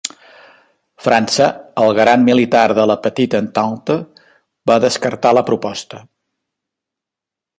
França, el garant militar de la petita Entente, va descartar la proposta.